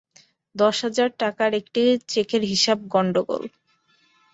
দশ হাজার টাকার একটা চেকের হিসাব গণ্ডগোল।